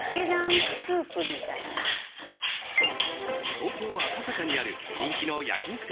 東京・赤坂にある人気の焼き肉店